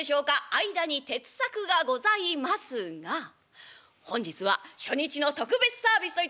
間に鉄柵がございますが本日は初日の特別サービスといたしまして